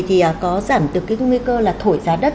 thì có giảm được cái nguy cơ là thổi giá đất